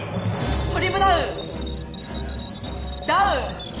トリムダウンダウン。